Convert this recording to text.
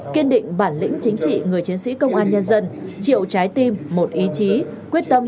giữ vững ổn định chính trị xã hội của đất nước